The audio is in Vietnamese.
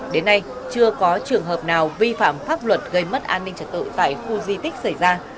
đến nay chưa có trường hợp nào vi phạm pháp luật gây mất an ninh trật tự tại khu di tích xảy ra